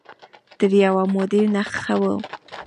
تر يوې مودې ښه وو.